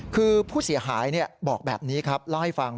คือผู้เสียหายบอกแบบนี้ครับเล่าให้ฟัง